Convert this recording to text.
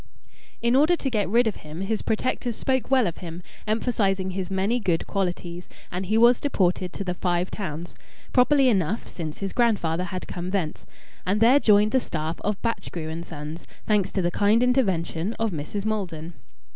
In order to get rid of him his protectors spoke well of him, emphasizing his many good qualities, and he was deported to the Five Towns (properly enough, since his grandfather had come thence) and there joined the staff of Batchgrew & Sons, thanks to the kind intervention of Mrs. Maldon.